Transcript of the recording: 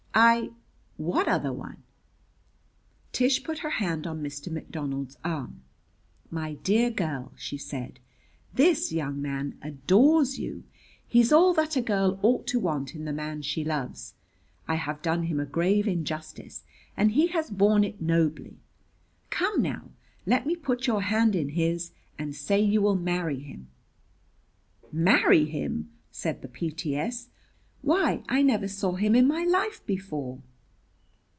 "I What other one?" Tish put her hand on Mr. McDonald's arm. "My dear girl," she said, "this young man adores you. He's all that a girl ought to want in the man she loves. I have done him a grave injustice and he has borne it nobly. Come now let me put your hand in his and say you will marry him." "Marry him!" said the P.T.S. "Why, I never saw him in my life before!"